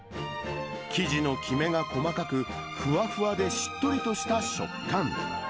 生地のきめが細かく、ふわふわでしっとりとした食感。